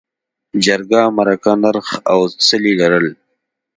جرګه، مرکه، نرخ او څلي لرل.